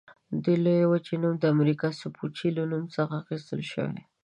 دې لویې وچې نوم د امریکو سپوچي له نوم څخه اخیستل شوی.